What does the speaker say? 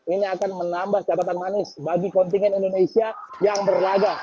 ini akan menambah catatan manis bagi kontingen indonesia yang berlaga